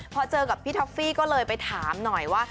พอเจอกับพี่ท็อฟฟี่ก็เลยไปถามหน่อยว่า